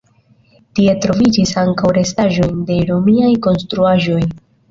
Tie troviĝis ankaŭ restaĵojn de romiaj konstruaĵoj.